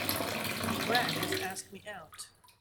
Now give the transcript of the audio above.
Brad has asked me out.